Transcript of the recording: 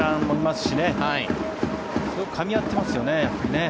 すごくかみ合っていますよね。